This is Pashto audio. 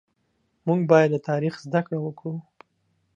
مونږ بايد د تاريخ زده کړه وکړو